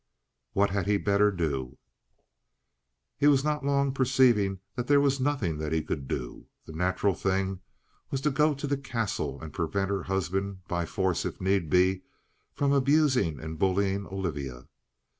What had he better do? He was not long perceiving that there was nothing that he could do. The natural thing was to go to the Castle and prevent her husband by force, if need be from abusing and bullying Olivia.